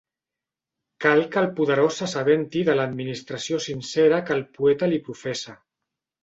Cal que el poderós s'assabenti de l'admiració sincera que el poeta li professa.